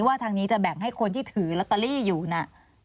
ทางนี้จะแบ่งให้คนที่ถือลอตเตอรี่อยู่นะ